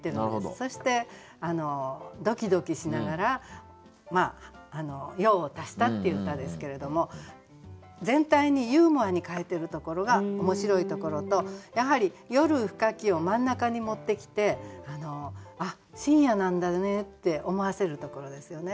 そしてドキドキしながら用を足したっていう歌ですけれども全体にユーモアに書いてるところが面白いところとやはり「夜深き」を真ん中に持ってきて「あっ深夜なんだね」って思わせるところですよね。